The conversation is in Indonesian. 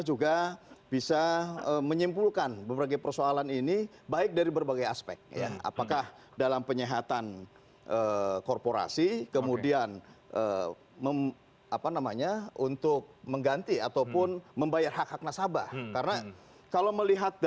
jangan sampai publik